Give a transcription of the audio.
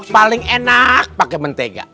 paling enak pakai mentega